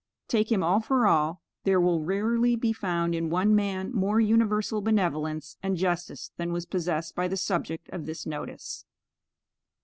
Take him all for all, there will rarely be found in one man more universal benevolence and justice than was possessed by the subject of this notice.